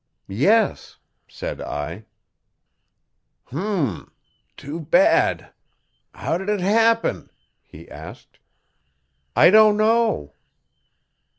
'Yes,' said I. 'Hm! Too bad. How'd it happen?' he asked. 'I don't know.'